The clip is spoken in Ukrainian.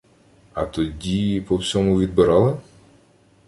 — А тоді, по всьому, відбирали?